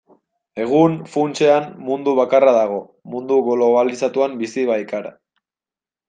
Egun, funtsean, mundu bakarra dago, mundu globalizatuan bizi baikara.